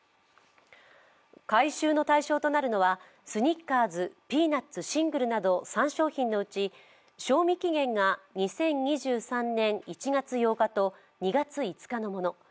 回収の対象となるのは、スニッカーズピーナッツシングルなど３商品のうち賞味期限が２０２３年１月８日と２月５日のもの。